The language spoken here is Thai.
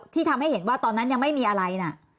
ที่ทำให้เห็นว่าตอนนั้นยังไม่มีอะไรนะ